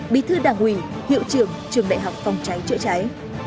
bí thư đảng ủy hiệu trưởng trường đại học phòng cháy chữa cháy